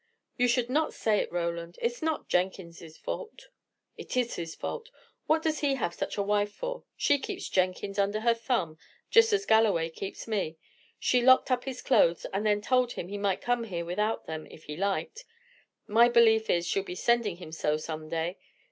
"You should not say it, Roland. It is not Jenkins's fault." "It is his fault. What does he have such a wife for? She keeps Jenkins under her thumb, just as Galloway keeps me. She locked up his clothes, and then told him he might come here without them, if he liked: my belief is, she'll be sending him so, some day.